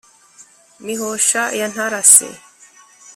mihosha ya ntarasi